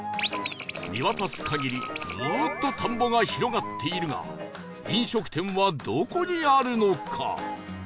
見渡す限りずっと田んぼが広がっているが飲食店はどこにあるのか？